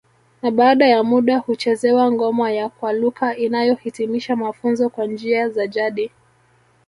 Na baada ya muda huchezewa ngoma ya kwaluka inayohitimisha mafunzo kwa njia za jadi